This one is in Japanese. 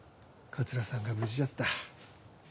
桂さんが無事じゃった。